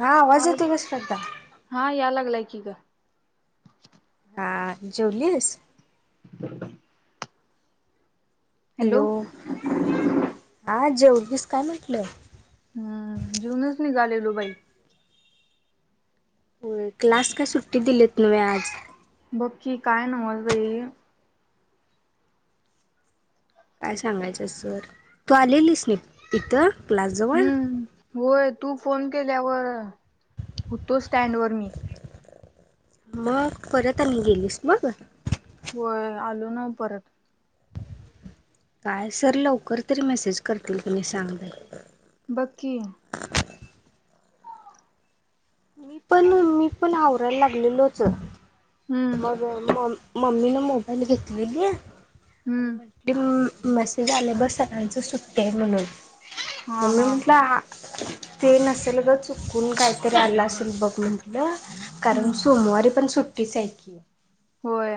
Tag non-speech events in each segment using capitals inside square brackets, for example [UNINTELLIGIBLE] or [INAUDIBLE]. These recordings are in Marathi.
हा आ आवाज येतोय का श्रद्धा? हा याला चांगय की का जेवलीस हॅलो हा जेवलीस काय म्हटलंय हम्म जेऊनच निघालेलो बाई हो क्लास काय सुट्टी दिलीत नव्हे आज बक्की काय नव्हच भाई काय सांगायचं सर तू आलेलीस नि तिथं हम्म होय तू फोन केल्यावर होतो स्टँड वर मी मग परत आम्ही गेलीस बघ होय आलो ना परत काय सर लवकर तरी मेसेज करतील तुम्ही सांगा बकी मी पण मी पण आवरायला लागलेलोच हम्म मग म मम्मी न मोबाईल घेतलेली आहे आणि हम्म म्हटली मसेज आले बस सरांचं सुट्टते म्हणून हा मम्मी हा म्हटलं ते नसेल ग चुकून काहीतरी आलं असेल बघ म्हंटलं कारण हम्म सोमवारी पण सुट्टीच आहे की होय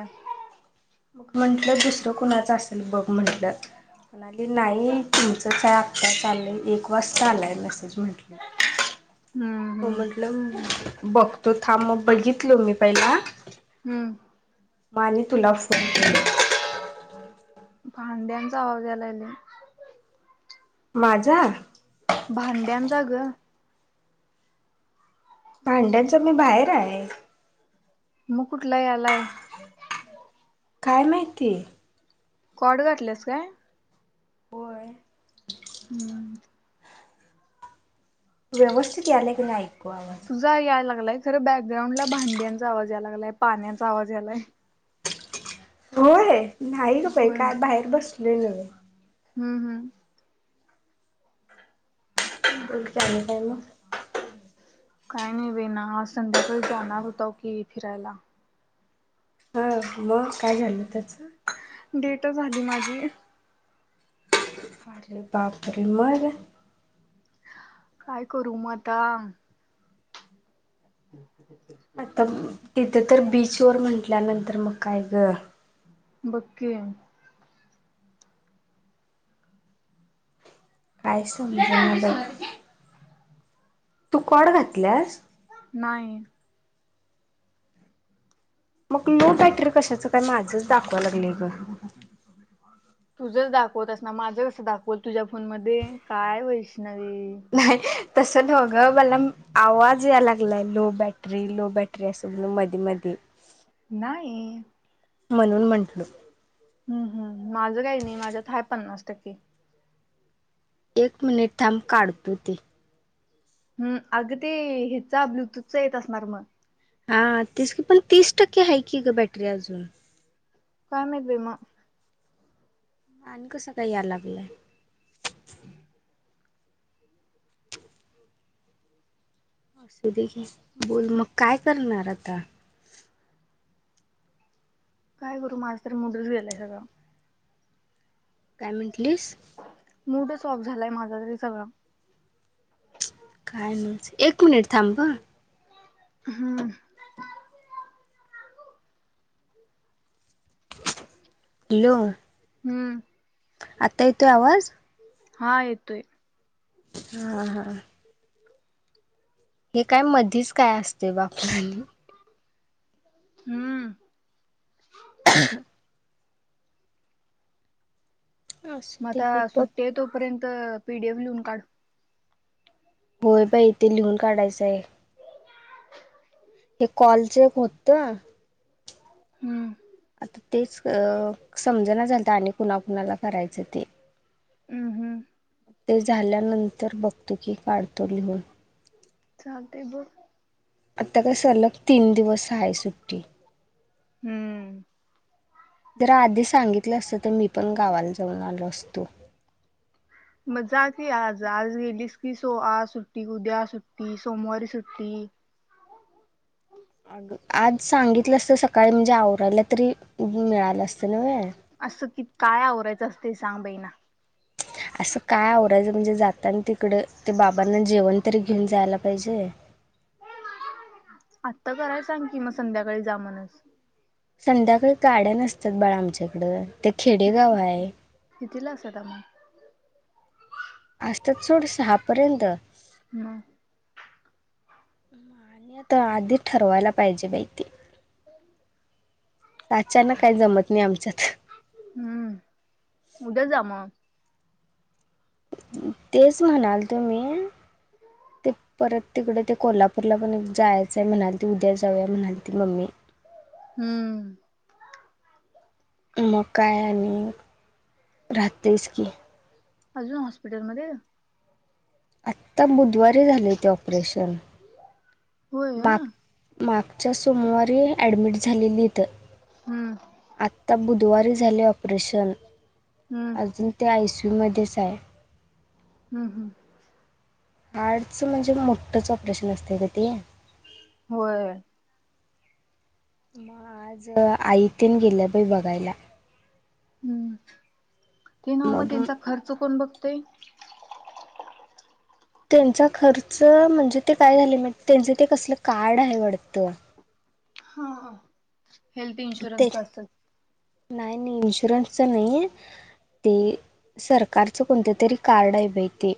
म म्हंटलं दुसरं कुणाचं असेल बघ म्हंटलं म्हणाले नाही तुमचंच आहे आता चाललंय एक वाजता चालाय मेसेज म्हंटलं हम्म हो हम्म म्हटलं बघतो थांब मग बघितलो मी पहिला हम्म माने तुलाफ भांड्यांचा आवाज यायला लागला माझा भांड्या जा गं भांड्यांच मी बाहेर आहे मग कुठला यालाय काय माहिती कॉड गातल्यास काय? होय हम्म. व्यवस्थित यालाय की नाई तुझा याय लागलाय खरं बॅकग्राऊंड ला भांड्यांचा आवाज याय लागलाय पाण्याचा आवाज यायलाय. होय नाही गं बाई होय काय बाहेर बसलोय न्हव्हे. हम्म हम्म. बोला की आणि काय मगं? काही नाही बाईना आज संध्याकाळी जाणार होताव की फिरायला. हा मगं काय झालं त्याच. डेट झाली माझी. बापरे मगं? काय करू मगं आता. आता तिथं तर बीचवर म्हंटल्यानंतर मग काय ग. बक्की. काय समजना बग. तू कॉड घातल्यास? नाई. मग लो बॅटरी कशाच काय माझंच दाखवाय लागलंय ग. तुझं दाखवत असना माझं कसं दाखवल तुझ्या फोन मध्ये काय वैष्णवी. तस न्हवं ग मला आवाज याय लागलाय लो बॅटरी, लो बॅटरी अस म मधी मधी. नाही. म्हणून म्हंटलं. हम्म हम्म माझं काय नाई माझ्यात हाय पन्नास टक्के. एक मिनिट थांब काढतो ते. हम्म अगदी हिचा ब्लुतूथचा येत असणार मग. हा तीस की पण तीस टक्के हा की गं बॅटरी अजून. काय माहित बाई म. आणि कसं काही याय लागलंय. असुदे की बोल मगं काय करणार आता? काय करू माझं तर मुडच गेलाय सगळा. काय म्हटलीस. मूडच ऑफ झालाय माझा तरी सगळा. काय एक मिनिट थांब. हम्म. हॅलो! हम्म. आता येतोय आवाज? हा येतोय. हा हा. हे काय मधीच काय असते बाप हम्म. असू दे मगं की आता बघ सुट्टी हाय तोपर्यंत पी डी एफ लिहून काढ. होय बाई ते लिहून काढायचंय. हे कॉलच एक होत. हम्म. जाता आणि कुणा कुणाला करायचं ते. हम्म हम्म. ते झाल्यानंतर बघतोकी काढतो लिहून. चालतंय बघ. आता काय सलग तीन दिवस हाय सुट्टी. हम्म.. जर आधी सांगितलं असतं तर मी पण गावाला जाऊन आलो असतो. मग जा की आज.... आज गेलीस की.. सो-आज सुट्टी.. उद्या सुट्टी... सोमवारी सुट्टी... ह. अ आज सांगितलं असत सकाळी म्हणजे आवरायला तरी.. मिळालं असतं ना व्हय असं कि काय आरायचं असते सांग बाई ना.. असं काय आवरायचं म्हणजे जाताना तिकड ते बाबांना जेवण.. तरी घेऊन जायला पाहिजे. आता करायला सांग की... मग संध्याकाळी जा म्हणसं.. संध्याकाळी गाड्या नसतात.. बाळ आमच्याकडं ते कि खेडेगाव आहे. कितीला असता मग असतेत सोड सहापर्यंत. म. [UNINTELLIGIBLE] आधी ठरवायला पाहिजे बाई ते... [INAUDIBLE] अचानक काही जमत नाही आमच्यात.. हम्म उद्या जा मग तेच म्हणालतो मी.. ते परत तिकडे ते कोल्हापूरला पण जायचंय म्हणाल ते उद्या- जावूया म्हणालती मम्मी. हम्म मगं काय आणि राहतायचं की. अजून हॉस्पिटलमध्ये. आता बुधवारी झाले ते ऑपरेशन.. माग.. होय माग.. मागच्या सोमवारी ऍडमिट झालेली इथ. हम्म बुधवारी झालेयं ते ऑपरेशन हम्म अजून ते आय सी यू मध्येच आहे. हम्म.. हम्म.. हार्टचं म्हणजे मोठंच ऑपरेशन असते ग ते.. होय. मग आज आईतेन गेल्या बाई बघायला. हम्म... ते न्हवं मग त्यांचा खर्च कोण बघतेय. त्यांचा खर्च म्हणजे... ते काय झाले... त्यांच ते कसलं कार्ड आहे वाटतं. हा.. हा.. हेल्थ ते इन्शुरन्स असेल. नाही.. नाही.. इनशोरनसचं नाहीयं. ते सरकारचं कोणत तरी कार्ड हाय बाई ते..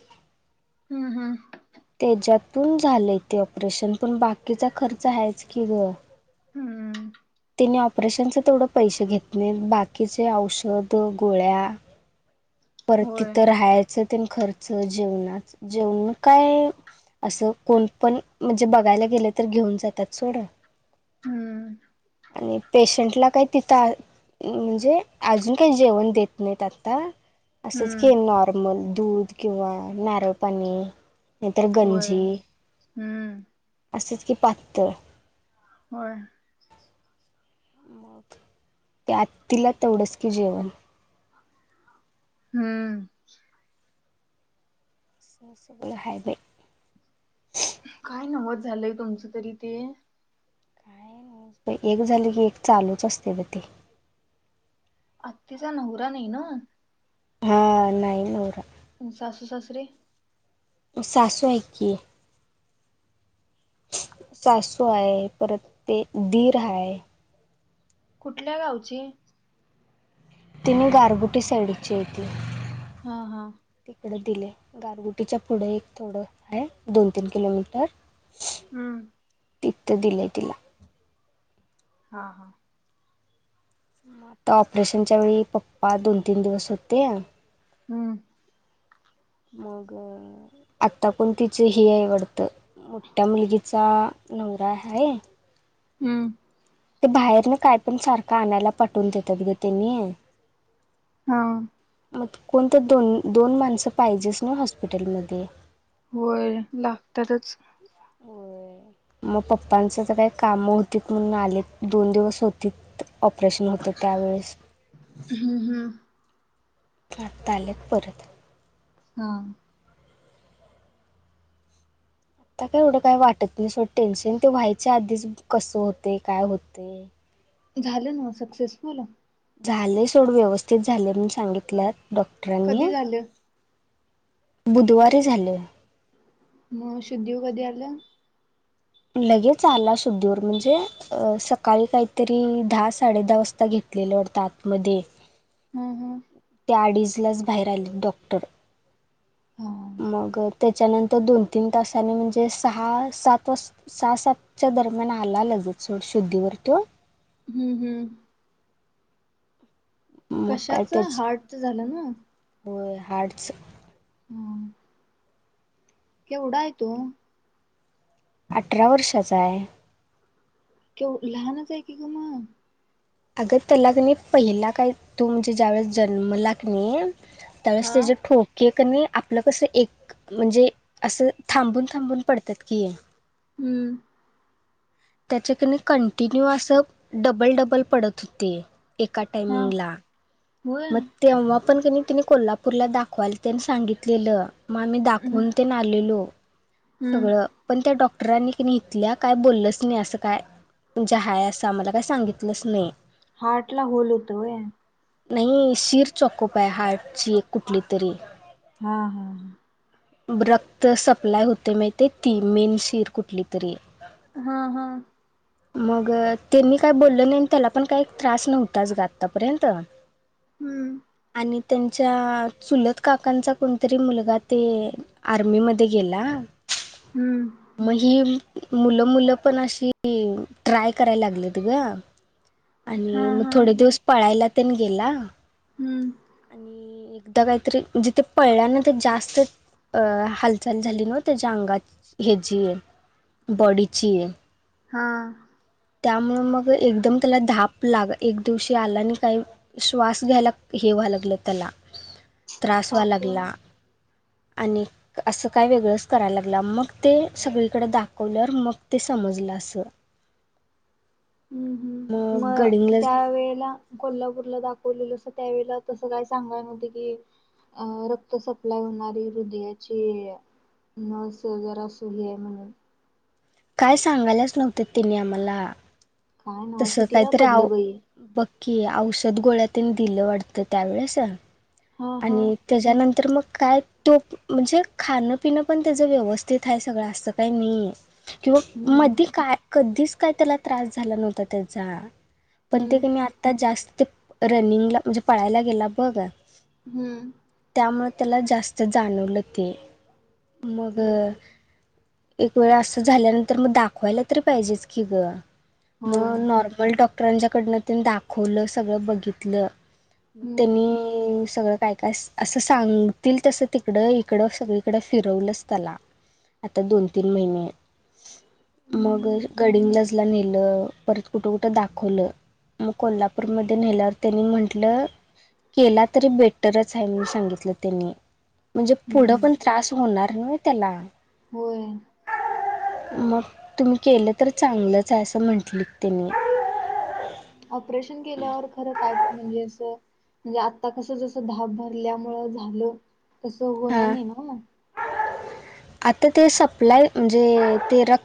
हम्म हम्म. त्याच्यातून झालंय ते ऑपरेशन पण बाकीचा खर्च आहेच की गं... हम्म तिने ऑपरेशनच तेवढ पैसे घेत. बाकीचे औषध गोळ्या परतं होय तिथं राहायचे. खर्च जेवणाच जेवण काय... असं कोण पण... म्हणजे बघायला गेलं तर घेऊन जातात सोड. हम्म आणि पेशंटला काय तिथं- म्हणजे अजून काही जेवण देत नाही आता असंच हम्म की नॉर्मल- मग दूध किंवा नारळ पाणी. नाहीतर होय गंजी हम्म असंच की पातळ होय. ते आतीला तेवढंच की जेवण. हम्म.. स-सगंळ हाय बाई... काय नवचं झालंय.. तुमचं तरी ते. काय नाही.. एक झाली की एक चालूच असते बाई ते... आत्तीचा नवरा नाही ना हा नाहीईनरा सासू सासरे सासू आहेकी. सासू आहे परत ते दीर आहे. कुठल्या गावची तिने गारबुटी साईडची यती. हा हा त गारगुटीच्या पुढे एक थोडं आहे दोन तीन किलोमीटर हम्म तिथ दिलंय तिला, हा हा आता ऑपरेशनच्या वेळी पप्पा दोन तीन दिवस होते. हम्म मग आता कोण तिच ही आहे वाटतं. मोठ्या मुलगीचा नवरा आहे. हम्म ते बाहेर ना काय पण सारखं आणायला पाठवून देतात ग त्यांनी हा मग कोणत दोन दोन माणसं पाहिजेस ना हॉस्पिटलमध्ये होय लागतातच. होय. मग पप्पांच तर काही काम होती म्हणून आलेत दोन दिवस होती. ऑपरेशन होतं त्यावेळेस. हम्म हम्म आता आलेत परत, हा आता का एवढं काही वाटत नाही सोडं टेन्शन ते व्हायच्या आधीच कसं होते काय होते. झालं ना सक्सेसफुल. झाले सोड व्यवस्थित झाले म्हण सांगितल्यात डॉक्टरांनी कधी झालं बुधवारी झाले. मग शुद्धी वर कधी आलंय. लगेच आला सुुद्धीवर म्हणजे सकाळी काहीतरी दहा साडे दहा वाजता घेत. घातलेल्यात आतमध्ये हम्म हम्म त्या अडीचलाच बाहेर आले डॉटर हा मग त्याच्यानंतर दोन तीन तसानी म्हणजे स सात वा सहा सात दरम्यान आला लगेच सोड शुद्धीवर तो हम्म हम्म मग काय कशाच हार्टच झालं ना. हार्ट्स हम्म केवडा आहे तो, अठरा वर्षांचा आहे. क लहानच आहे की ग मग, अगं त्यालागणे पहिला काय तू म्हणजे ज्या वेळेस जन्मला की नाही. त्यावेळेस हा त्याचे ठोके कनी आपलं कसं एक म्हणजे असं थांबून थांबून पडतात की ये, हम्म त्याच्याकी नाही कंटिन्यू असं डबल डबल पडत होते. एका हा टइमिंग ला होय म आपण कणी तिने कोल्हापूरला दाखवायला त्यानी सांगितलेलं मग आम्ही दाखवून हम्म ते ना आलेलो. सगळं पण त्याडॉ ॉक्टरांनीितल्या काय बोललंच नाही असं काय म्हणजे हय असं मला काय सांगितलंच नाही हार्ट ला होल होतय नाही शिर चॉकोप आहे हार्टची एक कुठली तरी हा हम् हम रक्त सप्लाय होते माहि ती मेन शिर कुठली तरी हा हा मग त्यांनी काय बोललं नाही त्याला पण काही त्रास नव्हताच ग आतापर्यंत हम्म आणि त्यांच्या चुलत काकांचा कोणतरी मुलगा ते आर्मीमध्ये गेला हम्म मग ही मुलं मुलं पण अशी ट्राय करायला लागले त ग हा आणि मग हा थोडे दिवस पळायला तनगला हम्म एक काहीतरी जिथे पडला ना ते जास्त अ हालचाल झाली न त्याच्या अंगात हची बॉडीची हा त्यामुळे मग एकदम त्याला धाप लाग एक दिवशी आला आणि काही श्वास घ्यायला हे त्या पापड आणि असं काय वेगळंच करायला लागलं मग ते सगळीकडे दाखवलं मग ते समजर पजलासं हम्म हम्म मग त्यावेेळेला कोल्हापूरला दाखवलेलं असं त्यावेेळे तसं काही सांगाय नव्हं की अ रक्त सप्लाय होणारी हृदयाची न स जरा असूय म्हणून काय सांगायलाच नव्हते तिने आम्हाला काय तस नवस कितीला काहीतरी पडलं बाई बक्की औषध गोळ्या नी दिलं वाटत त्यावेळेस हा हा आणि त्याच्यानंतर मग काय तो म्हणजे खाणं पिणं पण त्याचं व्यवस्थित आहे सगळं असं काही नाही किंवा हम्म मध्ये काय कधीच काय त्याला त्रास झाला नव्हता त्याचा पण ते हम्म कमी आता जास्त रनिंगला म्हणजे पळायला गेला बघ हम्म त्यामुळे त्याला जास्त जाणवलं ते मग हम्म एक वेळ असं झाल्यानंतर मग दाखवायला तरी पाहिजेच की ग म होय नॉर्मल डॉक्टरांच्याकडनं त्यांनी दाखवलं सगळं बघितलं मग हम्म त्यांनी सगळं काय काय असं सांगतील तसं तिकडं इकडं सगळीकडं फिरवलंच त्याला आता दोन तीन महिने मग हम्म गडंग लजला नेलं परत कुठं कुठं दाखवलं मग कोल्हापूरमध्येध्ये नेल्यावर त्यांनी म्हंटलं केला तरी बेटरच आहे म्हणून सांगितलं त्यांनी म्हणजे पुढं हम्म पण त्रास होणार नाही त्याला होय मग तुम्ही केलं तर चांगलंच आहे असं म्हंटलं त्यांनी ऑपरेशन केल्यावर खरं काय म्हणजे असं म्हणजे आता कसं जसं धाप भरल्यामु झालं तसं होणार हां नाही ना आता ते सपला म्हणजे र